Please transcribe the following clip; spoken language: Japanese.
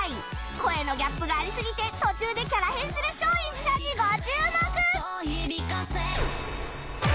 声のギャップがありすぎて途中でキャラ変する松陰寺さんにご注目！